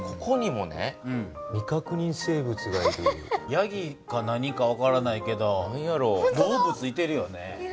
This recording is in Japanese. やぎか何か分からないけど動物いてるよね。